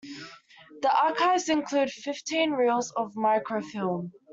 The archives include fifteen reels of microfilm.